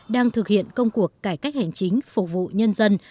đang thực hiện công cuộc cải cách hành chính phục vụ nhân dân